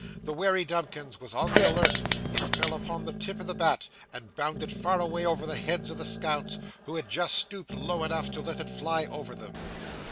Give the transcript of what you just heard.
The wary Dumkins was on the alert: it fell upon the tip of the bat, and bounded far away over the heads of the scouts, who had just stooped low enough to let it fly over them.